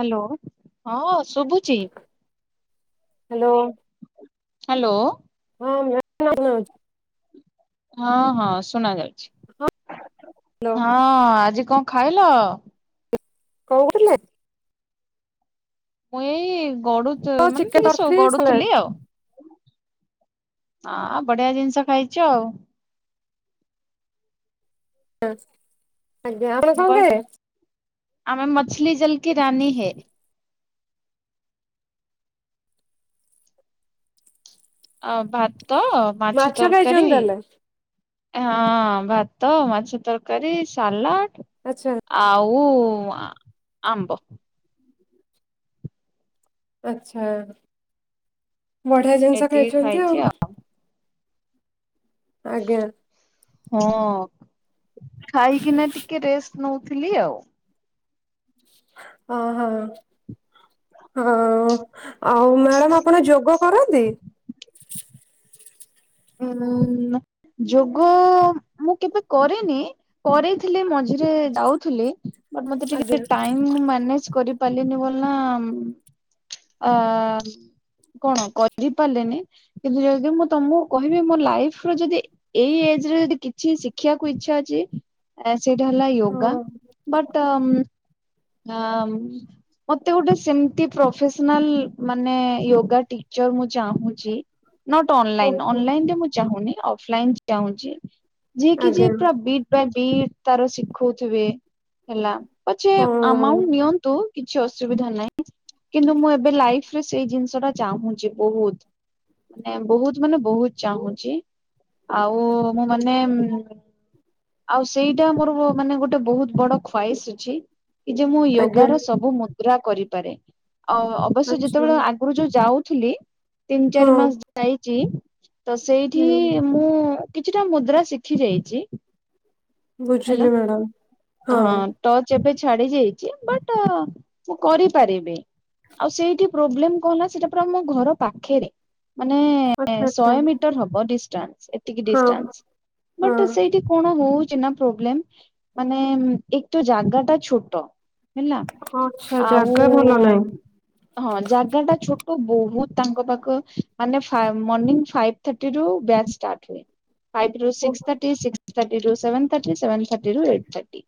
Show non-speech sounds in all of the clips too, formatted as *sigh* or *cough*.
Hello, ହଁ ଶୁଭୁଚି। Hello. Hello. ହଁ *inaudible* ହଁ-ହଁ ଶୁଣା ଯାଉଛି। ହାଲୋ। ହଁ, ଆଜି କଣ ଖାଇଲ? କଣ *unintelligible* ମୁଁ ଏଇ ଗଡୁ ହଁ ମାନେ ଚିକେନ ଟିକେ ତରକାରୀ ସାଲାଡ ଗଡୁଥିଲି ଆଉ। ଆଁ ବଢିଆ ଜିନିଷ ଖାଇଚ ଆଉ। ଆଜ୍ଞା ଆପଣ ମୁଁ କଣ କହ ଖାଇବେ? ଆମେ ମଛଲି ଜଲ୍ କିି ରାନୀ ହେ। ଆଉ ଭାତ, ମାଛ ଖାଇଛନ୍ତି ତରକାରୀ ତାହେଲେ ଏ ହଁ ଭାତ, ମାଛ ତରକାରୀ, ସାଲଟ୍ ଆଚ୍ଛା। ଆଉ ଆମ୍ବ। ଆଚ୍ଛା, ବଢିଆ ଜିନିଷ ଏତିକି ଖାଇଚନ୍ତି ଖାଇଛି ଆଉ। ଆଜ୍ଞା। ହଁ, ଖାଇକିନା ଟିକେ ରେଷ୍ଟ ନଉଥିଲି ଆଉ। ଅ ହଁ-ହଁ। ଆଉ ମ୍ୟାଡମ୍ ଆପଣ ଯୋଗ କରନ୍ତି? ଉଁ ଯୋଗ ମୁଁ କେବେ କରିନି। କରିଥିଲି ମଝିରେ ଯାଉଥିଲି ବଟ୍ ମତେ ଆଜ୍ଞା ଟିକେ ଟାଇମ୍ ମୁଁ ମ୍ୟାନେଜ୍ କରି ପାରିଲିନି ବୋଲି ନା ଆ କଣ କରିପାରିଲନି କିନ୍ତୁ ଯଦି ମୁଁ ତମୁ କହିବି ମୋ ଲାଇଫ୍ ର ଯଦି ଏଇ ଏଜରେ ଯଦି କିଛି ଶିଖିବାକୁ ଇଚ୍ଛା ଅଛି ଆ ସେଇଟା ହେଲା ୟୋଗା ହଁ *unintelligible* ହଁ ମତେ ଗୋଟେ ସେମିତି ପ୍ରଫେସନାଲ୍ ମାନେ ୟୋଗାଟି ଟିଚର ଚାଁହୁଚି ନଟ୍ ଅନଲାଇନ୍ ଓହୋ ଅନଲାଇନ୍ ରେ ମୁଁ ଚାହୁଁନି ଅଫଲାଇନ୍ ଚାହୁଁଛି ଯିଏ କି ଆଜ୍ଞା ଯେ ପୁରା ବିଟ୍ ବିଟ୍ ତାର ଶିଖଉଥିବେ ହେଲା ପଛେ ହଁ ଆମଉଣ୍ଟ ନିଅନ୍ତୁ କିଛି ଅସୁବିଧା ନାହିଁ। କିନ୍ତୁ ମୁଁ ଏବେ ଲାଇଫରେ ସେଇ ଜିନିଷ ଟା ଚାହୁଁଛି ବୋ ହୁତ। ମାନେ ବୋହୁତ ମାନେ ବୋହୁତ ଚାହୁଁଛି ଆଉ ମୁଁ ମାନେ ଆଉ ସେଇଟା ମୋର ମାନେ ଗୋଟେ ବହୁତ ବଡ ଖ୍ୱାଇସ୍ ଅଛି। କି ଯେ ମୁଁ ଆଜ୍ଞା ୟୋଗା ର ସବୁ ମୁଦ୍ରା କରିପାରେ ଅ ଅବଶ୍ୟ ଆଚ୍ଛା ଯେତେବେଳେ ଆ ଆଗରୁ ଯୋଉ ଯାଉଥିଲି ତିନି ଚାରି ହଁ ମାସ ଯାଇଚି ତ ସେଇଠି ହୁଁ ମୁଁ କିଛିଟା ମୁଦ୍ରା ଶିଖି ଯାଇଚି। ହେଲା ବୁଝିଲି ମ୍ୟାଡାମ ହଁ ଟଚ୍ ଏବେ ଛାଡି ଯାଇଛି ବଟ୍ ମୁଁ କରିପାରିବି। ଆଉ ସେଇଠି ପ୍ରୋବ୍ଲେମ କଣ ହେଲା ସେଇଟା ପୁରା ଆମ ଘର ପାଖରେ। ମାନେ ଆଚ୍ଛା ଆଚ୍ଛା ଶହେ ମିଟର ହବ ଡିଷ୍ଟାନ୍ସ ଏତିକି ହଁ ଡିଷ୍ଟାନ୍ସ ବଟ୍ ହଁ ସେଇଠି କଣ ହୋଉଛି ନା ପ୍ରୋବ୍ଲେମ ମାନେ ଏକତ ଜାଗା ଟା ଛୋଟ। ହେଲା ଆଚ୍ଛା ଆଉ ଜାଗା ଭଲ ନାହିଁ ହଁ ଜାଗା ଟା ଛୋଟ ବହୁତ ତାଙ୍କ ପାଖ ମାନେ ମଂ ଫାଇଭ୍ ଥଟି ର ବ୍ୟା ାର୍ ହୁଏ *unintelligible* ଫାଇଭ୍ ରୁ ଓ ସିକସ୍ ଥାର୍ଟି ସିକସ ଥାର୍ଟି ରୁ ସେଭନ୍ ଥାର୍ଟି ସେଭନନ୍ ଥାର୍ଟି ରୁ ଏଇଟ୍ ଥାର୍ଟି।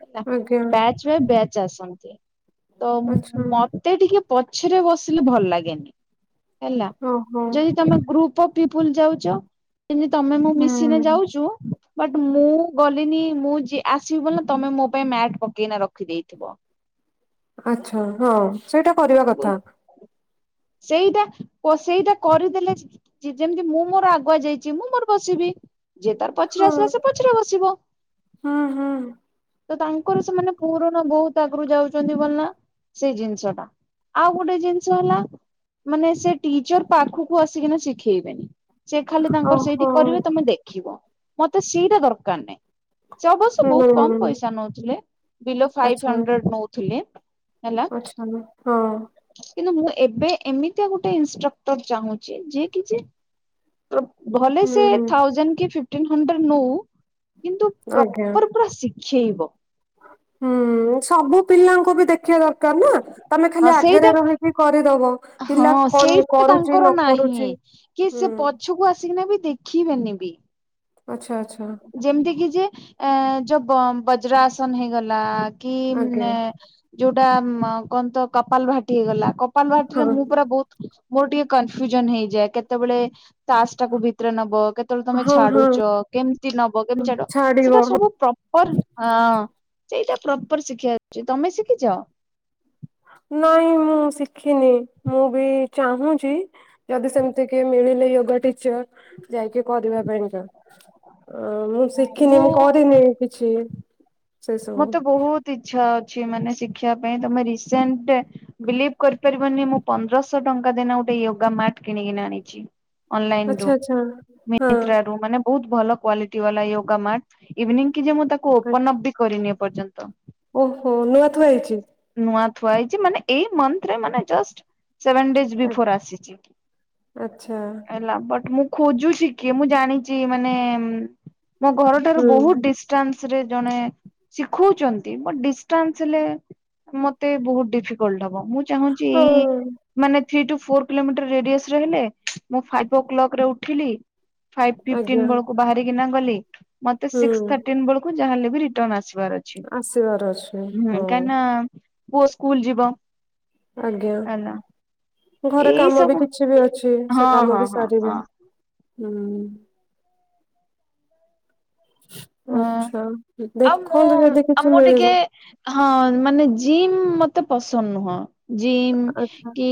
ହେଲା ଆଜ୍ଞା ବ୍ୟାଚ୍ ବାଏ ବ୍ୟାଚ୍ ଆସନ୍ତି ତ ମ ଆଚ୍ଛା ମତେ ଟିକେ ପଛରେ ବସିଲେ ଭଲ ଲାଗେନି ହେଲା ଓହୋ ଯଦି ତମେ ଗ୍ରୁପ ଅଫ୍ ପିପୁଲ୍ ଯାଉଛ ଯେମତି ତମେ ମୁଁ ମିଶିଲେ ହୁଁ। ଯାଉଛୁ ବଟ୍ ମୁଁ ଗଲିନି ମୁଁ ଯି ଆସିବି ବୋଲି ତମେ ମୋ ପାଇଁ ମ୍ୟାଟ୍ ପକେଇନା ରଖିଦେଇଥିବ। ଆଛା ହଁ ସେଇଟା କରିବା କଥା। ସେଇଟା ସେଇଟା କରିଦେଲେ ଯେମିତି ମୁଁ ମୋର ଆଗୁଆ ଯାଇଛି ମୁଁ ମୋର ବସିବି। ଯେ ତାର ପଛରେ ହଁ ଆସିଲା ସେ ପଛରେ ବସିବ। ହୁଁ ହୁଁ। ତ ତାଙ୍କର ସେମାନେ ପୁରୁଣା ବହୁତ ଆଗରୁ ଯାଉଛନ୍ତି ବୋଲି ନା ସେଇ ଜିନିଷ ଟା। ଆଉ ଗୋଟେ ଜିନିଷ ହେଲା ମାନେ ସେ ଟିଚର୍ ପାଖକୁ ଆସିକିନା ଶିଖେଇବେନି ସେ ଖାଲି ତାଙ୍କର ଓହୋ ସେଇଠି କରିବେ ତମେ ଦେଖ। ଦେଖିବ ମତେ ସିଟା ଦରକାର। ସେ ଅବଶ୍ୟ ବହୁତ କମ୍ ହୁଁ ପଇସା ନୋଉଥିଲେ ବିଲୋ ଫାଇଭ୍ ହଣ୍ଡ୍ରେଡ ନୋଉଥିଲେ। ଆଛା ହଁ। କିନ୍ତୁ ମୁଁ ଏବେ ଏମିତିଆ ଗୋଟେ ଇନଷ୍ଟ୍ରକ୍ଟର ଚାହୁଁଛି ଯିଏ କି ଯେ ଭଲେ ସେ ହୁଁ। ଥାଉଜେଣ୍ଡ କି ଫିଫ୍ଟିନ ହଣ୍ଡ୍ରେଡ ନୋଉ କିନ୍ତୁ ଆଜ୍ଞା ପ୍ରପର୍ ପୁରା ଶିଖେଇବ। ହୁଁ ସବୁ ପିଲାଙ୍କୁ ବି ଦେଖିବା ଦରକାର ନା ତମେ ହଁ ଖାଲି ସେଇଟା ଆଗରେ ରହିକି କରିଦବ। ହଁ ପିଲା କଣ ସେଇଟା କରୁଛି ନ ତାଙ୍କର କରୁଛି ନାହିଁ କି ସେ ହୁଁ ପଛକୁ ଆସିକିନା ବି ଦେଖିବେନି ବି। ଆଚ୍ଛା ଆଚ୍ଛା। ଯେମିତି କିି ଯେ ଏ ଯୋଉ ବଜରା ଆସନ ହେଇଗଲା। କି ଆଜ୍ଞା ଯୋଉଟା କନ୍ ତ କପାଲ ଭାଟି ହେଇଗଲା। କପାଲଭାଟିରେ ହଁ ମୁଁ ପୁରା ବହୁତ ମୋର ଟିକେ କନଫ୍ୟୁଜନ୍ ହେଇଯାଏ କେତେବେଳେ ସାସ୍ ଟାକୁ ଭିତରେ ନବ କେତେବେଳେ ତମେ ହଁ ହଁ ଛାଡୁଛ କେମିତି ନବ କେମିତି ଛାଡ ଛାଡିବ ସେଟା ସବୁ ପ୍ରପର୍ ଅଁ ସେଇଟା ପ୍ରପର୍ ଶିଖିବା ଅଛି, ତମେ ଶିଖିଛ। ନାଇଁ ମୁଁ ଶିଖିନି। ମୁଁ ବି ଚାହୁଁଛି ଯଦି ସେମିତି କିଏ ମିଳିଲେ ୟୋଗା ଟିଚର୍, ଯାଇକି କରିବା ପାଇଁକା ଅ ମୁଁ ଶିଖିନି, ମୁଁ କରିନି କିଛି। ସେ ସବୁ ମତେ ବହୁତ ଇଚ୍ଛା ଅଛି ମାନେ ଶିଖବା ପାଇଁ। ତମେ ରିସେଣ୍ଟ ବିଲିଭ୍ କରିପାରିବନି ମୁଁ ପନ୍ଦରଶହ ଟଙ୍କା ଦେଇନା ଗୋଟେ ୟୋଗା ମ୍ୟାଟ୍ କିଣିକିନା ଆଣିଚି। ଅନଲାଇନରୁ, ଆଚ୍ଛା ଆଚ୍ଛା ହଁ ମ୍ୟନ୍ତ୍ରାରୁ ମାନେ ବହୁତ ଭଲ କ୍ଵାଲିଟି ବାଲା ୟୋଗା ମ୍ୟାଟ୍। ଇଭିନିଂ କି ଯେ ମୁଁ ତାକୁ ଓପନ ଅପ୍ ବି କରିନି ଏପର୍ଯ୍ୟନ୍ତ। ଓହୋ, ନୂଆ ଥୁଆ ହେଇଛି। ନୂଆ ଥୁଆ ହେଇଛି ମାନେ ଏଇ ମନ୍ଥରେ ମାନେ ଜଷ୍ଟ ସେଭନ୍ ଡେଜ୍ ଆ- ବିଫୋର୍ ଆସିଛି, ଆଚ୍ଛା ହେଲା ବଟ୍ ମୁଁ ଖୋଜୁଛି କିଏ? ମୁଁ ଜାଣିଛି ମାନେ ମୋ ଘରଠାରୁ ହୁଁ ବହୁତ ଡି ଡିଷ୍ଟାନ୍ସରେ ଜଣେ ଶିଖଉଛନ୍ତି ବଟ୍ ଡିଷ୍ଟାନ୍ସ୍ ହେଲେ ମତେ ବହୁତ୍ ଡିଫିକଲଟ୍ ହବ। ମୁଁ ଚାହୁଁଛି ହଁ ଏଇ ମାନେ ଥ୍ରୀ ଟୁ ଫୋର୍ କିଲୋମିଟର ରେଡିଅସରେ ହେଲେ, ମୁଁ ଫାଇଭ ଓ କ୍ଲକରେ ଉଠିଲି ଫାଇଫି ଫିଫ୍ଟନ୍ ଆଜ୍ଞା ବେଳକୁ ବାହାରିକିନା ଗଲି ମତେ ସିକ୍ସ୍ ହୁଁ ଥାର୍ଟିନ୍ ବେଳକୁ କୁ ଯାହାଲେ ବି ରିଟର୍ଣ ଆସିବାର ଅଛି। ଆସିବାର ଅଛି ହଁ କାଇଁ ନା ପୁଅ ସ୍କୁଲ୍ ଯିବ। ଆଜ୍ଞା। ହେଲା ଘରେ ଏଇ କାମ ବି ସବୁ କିଛି ବି ହଉଛି। ହଁ ସେ କାମ ହଁ ବି ହଁ ସରିବା। ହଁ ହଁ ଆଛା। ଆଉ ମୁଁ ଦେଖନ୍ତୁ, ଯଦି ଆଉ କିଛି ମୁଁ ଟିକେ ମିଳିବ। ହଁ ମାନେ ଜିମ୍ ମତେ ପସନ୍ଦ ନୁହଁ। ଜିମ୍ ଆଚ୍ଛା କି କି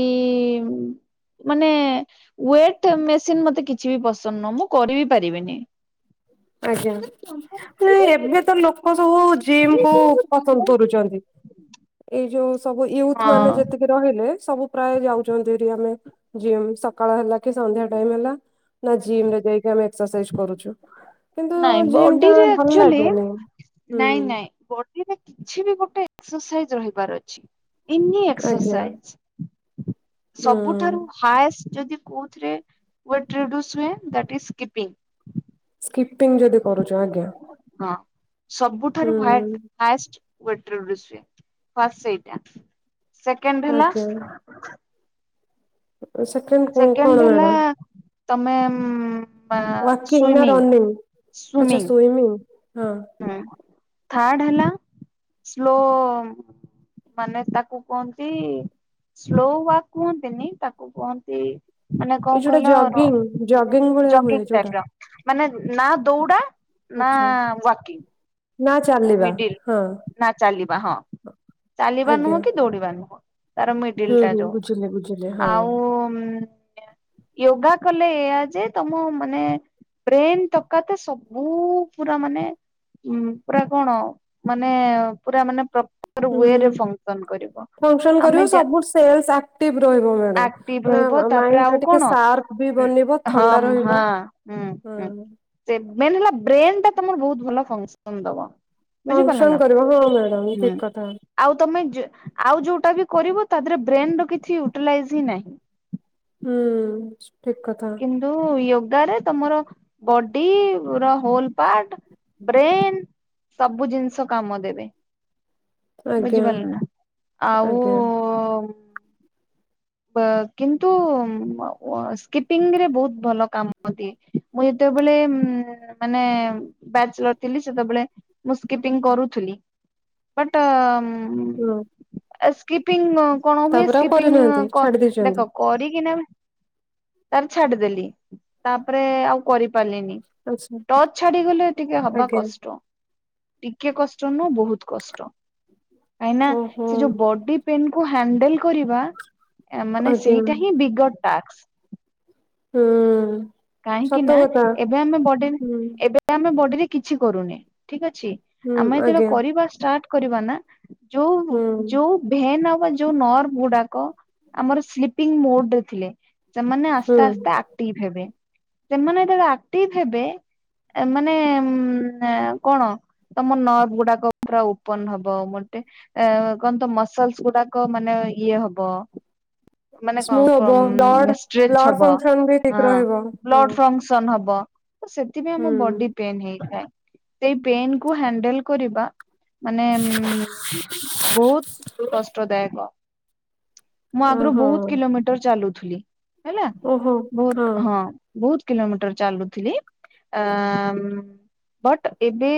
ମାନେ ଓ୍ୱେଟ୍ ମେସିନ ମତେ କିଛି ବି ପସନ୍ଦ ନହଁ। ମୁଁ କରିିବି ପାରିବିନି। ଆଜ୍ଞା। ହେଲେ ଏବେ ତ ଲୋକ ସବୁ ଜିମ୍କୁ *unintelligible* କରୁଛନ୍ତି। ଏଇ ଯୋଉ ସବୁ ୟୁଥମାନେ ହଁ ଯେତିକି ରହିଲେ ସବୁ ପ୍ରାୟ ଯାଉଛନ୍ତି। ଏଇଠି ଆମେ ଜିମ୍ ସକାଳ ହେଲା କି ସନ୍ଧ୍ୟା ଟାଇମ୍ ହେଲା, ନା ଜିମରେ ଯାଇକି ଆମେ ଏକ୍ସସର୍ସସାଇଜ୍ କରୁଛୁ। କିନ୍ତୁ ନାଇଁ। ଜିମ୍ ଟା ବଡିରେ ଭଲ ଆକ୍ଚୁଆଲି। ଲାଗେନି। ହୁଁ ନାଇଁ ନାଇଁ, ବଡିରେ କିଛି ବି ଗୋଟେ ଏକ୍ସର୍ସାଇଜ୍ ରହିବାର ଅଛି। ଏନି ଆଜ୍ଞା ଏକ୍ସର୍ସାଇଜ୍। ହୁଁ। ସବୁଠାରୁ ହାଷ୍ଟ ଯଦି କୋଉଥିରେ ୱେଟ୍ ରିଡୁୟୁସ୍ ହୁଏ ଦାଟ୍ ଇଜ୍ ସ୍କିପିଙ୍ଗ୍। ସ୍କିଟମ୍ ଯଦି କରୁଛ। ଆଜ୍ଞା। ହଁ ସବୁଠାରୁ ହ୍ୱାଟ୍ ହୁଁ ହାଷ୍ଟ ୱେଟ୍ ରିଡିୟୁସ୍ ହୁଏ, ଫାଷ୍ଟ୍ ସେଇଟା। ସେକେଣ୍ଡ ହେଲା ଆଜ୍ଞା। ସେକେଣ୍ଡ କ କଣ ସେକେଣ୍ଡ ହେଲା ମ୍ୟାଡାମ ତମେ ଉଁ ୱାକିଂ ନା ସୁଇମିଂ ରନିଂ। ଆଚ୍ଛା। ସୁଇମିଙ୍ଗ୍। ହୁଁ ଥାର୍ଡ ହେଲା, ସ୍ଲୋ ମାନେ ତାକୁ କଅନ୍ତି ସ୍ଲୋ ୱାକ୍ କୁହନ୍ତି ନି। ତାକୁ କୁହନ୍ତି ମାନେ ଏଇ କଣ ଯୋଉଟା କହିଲ ଜଗିଙ୍ଗ ଜଗିଙ୍ଗ ଭଳିଆ ହୁଏ ର-ଜଗିଙ୍ଗ୍ ଯୋଉଟା ଟାଇପ୍ର ମାନେ ନା ଦୌଡା ନା ଆଚ୍ଛା ୱାକିଂ ନା ଚାଲ ମିଡିଲ୍ ନା ଚାଲିବା। ହଁ, ଚାଲିବା ଆଜ୍ଞା ନୁହଁ କି ଦୌଡିବା ନୁହଁ। ତାର ମିଡିଲ୍ ହୁଁ ଟା ହୁଁ ଯୋଉ ବୁଝିଲେ ବୁଝିଲେ ହଁ। ଆଉ ଉଁ ୟୋଗା କଲେ ଏଇଆ ଯେ ତମ ମାନେ। ବ୍ରେନ୍ ତକାତେ ସବୁ ପୁରା ମାନେ ଉଁ। ପୁରା କଣ ମାନେ ପୁରା ମାନେ ପ୍ର ପର ୱରେ ହୁଁ ଫଙ୍ଗସନ କରିବ ଫଙ୍କସନ ଆମେ କରିବ ଯା ସବୁ ସେଲ୍ସ ଆକ୍ଟିଭ ରହିବ ମ୍ୟାଡାମ। ଆକ୍ଟିଭ ରହିବ ମାନେ ତାପରେ ମାଇଣ୍ଡ ଟା ଆଉ ଟିକେ କଣ? ସାର୍ପ ବି ଉଁ, ବନିବ ଥଣ୍ଡା ହଁ, ରହିବ ହଁ, ହୁଁ, ଉଁ। ହଁ। ଯେ ମେନ୍ ହେଲା ବ୍ରେନ୍ ଟା ତମର ବହୁତ୍ ଭଲ ଫଙ୍ଗସନ୍ ଦବ। ବୁଝିପାରିଲ ନା ଫଙ୍କସନ୍ କରିବ ହଁ ମ୍ୟାଡାମ୍ ହୁଁ ଠିକ କଥା। ଆଉ ତମେ ଯେ ଆଉ ଯୋଉଟା ବି କରିବ ତା ଧିଏରେ ବ୍ରେନ ର କିଛି ୟୁଟିଲାଇଜ ହିଁ ନାହିଁ। ହୁଁ ଠିକ୍ କଥା। କିନ୍ତୁ ୟୋଗା ରେ ତମର ବଡି ର ହୋଲ୍ ପାର୍ଟ। ବ୍ରେନ୍ ସବୁ ଜିନିଷ କାମ ଦେବେ। ଆଜ୍ଞା ବୁଝିପାଲୁ ନା ଆଉ। ଆଜ୍ଞା ବ‌ କିନ୍ତୁ ୱ ସ୍କିପିଙ୍ଗ ରେ ବହୁତ୍ ଭଲ କାମ ଦିଏ। ମୁଁ ଯେତେବେଳେ ଉଁ ମାନେ ବ୍ୟାଚଲର୍ ଥିଲି ସେତେବେଳେ। ମୁଁ ସ୍କିପିଙ୍ଗ୍ କରୁଥିଲି ବଟ୍ ଉଁ। ହୁଁ। ଏ ସ୍କିପିଂ କଣ ହୁଏ ଆଉ କରିନାହାନ୍ତି ସ୍କିପିଙ୍ଗ। କ ଛାଡି ଦେଇଛନ୍ତି। ଦେଖ କରିକିନା ତା ରେ ଛାଡିଦେଲି ତାପରେ ଆଉ କରି ପାରିଲିନି ଆଚ୍ଛା ଟଚ୍ ଛାଡିଗଲେ ଟିକେ ହବା ଆଜ୍ଞା କଷ୍ଟ। ଟିକେ କଷ୍ଟ ନୁହଁ ବହୁତ୍ କଷ୍ଟ କାଇନା ଓହୋ ସେ ଯୋଉ ବଡି। ପେନ୍ କୁ ହାଣ୍ଡଲ୍ କରିବା ମାନେ ଆଜ୍ଞା ସେଇଟା ହିଁ ବିଗର ଟାସ୍କ ହୁଁ। କାହିଁକି ସତ ନା କଥା ଏବେ ଆମେ ବଡି ହୁଁ ଏବେ ଆମେ ବଡିରେ କିଛି କରୁନେ ଠିକ ଅଛି। ହୁଁ ଆମେ ଏତେବେଳେ ଆଜ୍ଞା କରିବା ଷ୍ଟାର୍ଟ କରିବା ନା ଯୋଉ ହୁଁ ଯୋଉ। ଭେନ୍ ଆଉ ବା ଯୋଉ ନର୍ଭ ଗୁଡାକ ଆମର ସ୍ଲିପିଙ୍ଗ୍ ମୋଡ୍ ରେ ଥିଲେ। ସେମାନେ ଆସ୍ତେ ହୁଁ। ଆସ୍ତେ ଆକ୍ଟିଭ୍ ହେବେ। ସେମାନେ ଯେତେ ବେଳେ ଆକ୍ଟିଭ୍ ହେବେ ଏ ମାନେ ଉଁ ଏ କଣ। ତମ ନର୍ଭ ଗୁଡାକ ପୁରା ଉପନ ହବ ମୋଟେ। ଏ ଅ କଣ ତ ମସଲ୍ସ ଗୁଡାକ ମାନେ ଇଏ ହବ। ମାନେ କଁ ସ୍ମୁଥ ହବ ଫମ୍ ବ୍ଲଡ ଷ୍ଟ୍ରେଚ୍ ବ୍ଲଡ ହବ ଫଙ୍କସନ ବି ଠିକ ହଁ। ରହିବ ହୁଁ। ବ୍ଲଡ ଫଙ୍ଗସନ୍ ହବ ତ ସେଥିପାଇଁ ଆମ ବଡି ହୁଁ ପେନ ହେଇଥାଏ। ସେଇ ପେନ୍ କୁ ହ୍ୟାଣ୍ଡେଲ୍ କରିବା। ମାନେ ଉଁମ୍ ବହୁତ୍ କଷ୍ଟଦାୟକ। ମୁଁ ଆଗ୍ ରୁ ଓହୋ ବହୁତ୍ କିଲୋମିଟର ଚାଲୁଥିଲି। ହେଲା ବହୁତ୍ ହଁ। ବହୁତ୍ କିଲୋମିଟର ଚାଲୁଥିଲି ଆଁ ମ ବଟ୍ ଏବେ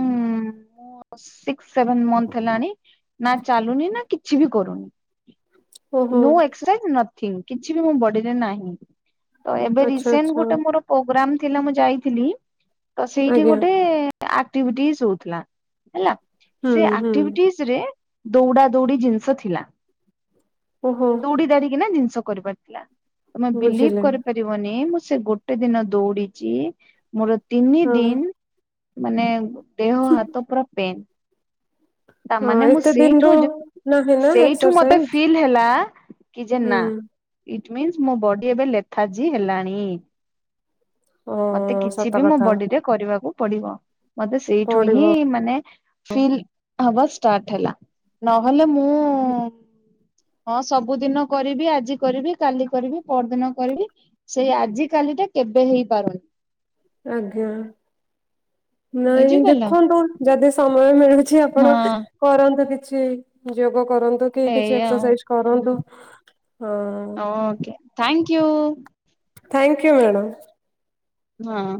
ଉଁ ମୁ ସିକ୍ସ୍ ସେଭେନ୍ ମନ୍ଥ୍ ହେଲାଣି। ନା ଚାଲୁନି ନା କିଛି ବି କରୁନି ଓହୋ ନୋ ଏକ୍ କ୍ସରସାଇଜ୍ ନଥିଂ କିଛି ବି ମୋ ବଡିରେ ନାଁହି। ତ ଏବେ ଆଚ୍ଛା ରିସଣ୍ଟ୍ ଆଚ୍ଛା ଗୋଟେ ମୋର। ପ୍ରୋଗ୍ରାମ ଥିଲା ମୁଁ ଯାଇଥିଲି। ତ ସେଇଠି ଆଜ୍ଞା ଗୋଟେ ଆକ୍ଟିଭିଟିସ୍ ହଉଥିଲା। ହେଲା ସେ ହୁଁ ହୁଁ ଆକ୍ଟିଭିଟିଜ ରେ ଦୌଡା ଦୌଡି ଜିନିଷ ଥିଲା। ଓହୋ ଦୌଡି ଦାଡି କିନା ଜିନିଷ କରିପାରିଥିଲା ତମେ ବିଲିଭ୍ ବୁଝିଲେ କରିପାରିବ ବନି ମୁଁ ସେ ଗୋଟେ ଦିନ ଦୌଡିଛି ମୋର ତିନି ହଁ ଦିନ। ମାନେ ଦେହ ହାତ ପୁରା ପେନ୍। ହଁ ତାମାନେ ମୁଁ ଏତେ ଦିନରୁ ସେଇଠୁ ଯେ ନାହିଁ ନା ସେଇଠୁ ମତେ ଏକ୍ସରସାଇଜ ଫିଲ୍ ହେଲା କି ଯେ ନା ହୁଁ ଇଟମିନ୍ସ ମୋ ବଡି ଏବେ ଲେଥାଜି ହେଲାଣି। ଓ ମତେ କିଛି ସତ ବି ମୋ କଥା ବଡିରେ କରିବାକୁ ପଡିବ ମତେ ସେଇଠୁ ହିଁ ପଡିବ ମାନେ ଫିଲ୍ ହବା ଷ୍ଟାର୍ଟ ହେଲା ନହେଲେ ମୁଁ ହଁ ସବୁଦିନ କରିବି ଆଜି କରିବି କାଲି କରିବି ପରଦିନ କରିବି ସେଇ ଆଜିକାଲିଟା କେବେ ହେଇପାରୁନି। ଆଜ୍ଞା ନାଇଁ ବୁଝିପାରିଲ। ଦେଖନ୍ତୁ ଯଦି ସମୟ ମିଳୁ କିଛି ଆପଣ ହଁ କରନ୍ତୁ କିଛି ଯୋଗ କରନ୍ତୁ। କିଛି ଏଇଆ ଆଉ। ଏକ୍ସରସାଇଜ୍ କରନ୍ତୁ ହଁ। Okay thank you thank you madam. ହଁ।